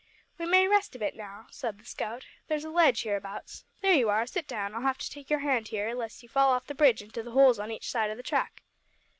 "We may rest a bit now," said the scout. "There's a ledge hereabouts. There you are. Sit down. I'll have to take your hand here lest you fall off the bridge into the holes on each side o' the track."